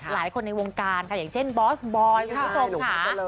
หลายคนในวงการค่ะอย่างเช่นบอสบอสค่ะ